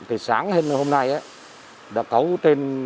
thì sáng hôm nay đã cấu trên